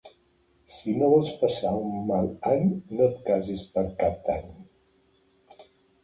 Si no vols passar un mal any no et casis per Cap d'Any.